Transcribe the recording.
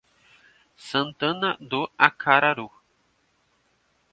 Santana do Acaraú